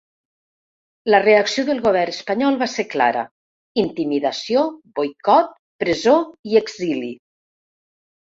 La reacció del govern espanyol va ser clara: intimidació, boicot, presó i exili.